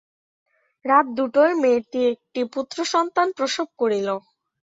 রাত দুটোয় মেয়েটি একটি পুত্রসস্তান প্রসব করল।